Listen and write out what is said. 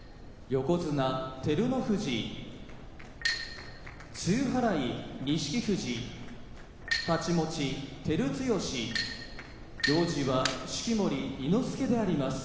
横綱照ノ富士露払い錦富士太刀持ち照強行司は式守伊之助であります。